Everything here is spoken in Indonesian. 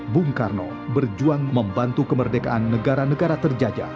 bung karno berjuang membantu kemerdekaan negara negara terjajah